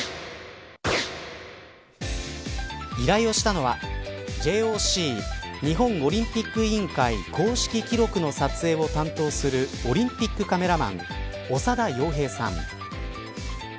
依頼をしたのはＪＯＣ日本オリンピック委員会公式記録の撮影を担当するオリンピックカメラマン長田洋平さん。